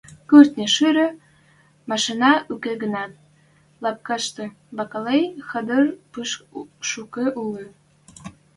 кӹртни шире, машинӓ — уке гӹнят, лапкашты бакалей хӓдӹр пиш шукы улы.